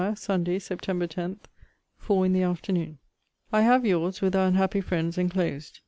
SUNDAY, SEPT. 10. FOUR IN THE AFTERNOON. I have your's, with our unhappy friend's enclosed.